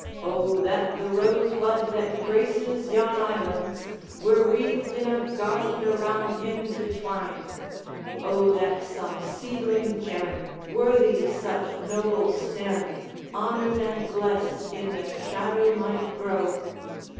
O that the rosebud that graces yon islands Were wreathed in a garland around him to twine! O that some seedling gem, Worthy such noble stem, Honored and blessed in their shadow might grow!